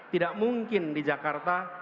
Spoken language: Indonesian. tidak mungkin di jakarta